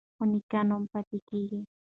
خو نېک نوم پاتې کیږي.